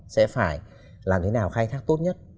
sẽ phải làm thế nào khai thác tốt nhất